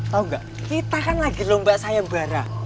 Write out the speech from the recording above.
tau gak kita kan lagi lomba sayem bara